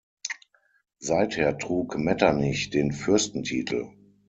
Seither trug Metternich den Fürstentitel.